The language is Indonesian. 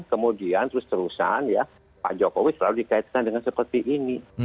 kemudian terus terusan ya pak jokowi selalu dikaitkan dengan seperti ini